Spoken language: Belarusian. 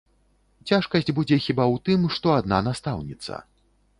Цяжкасць будзе хіба ў тым, што адна настаўніца.